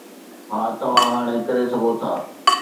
ها، توهان هاڻي ڪري سگهو ٿا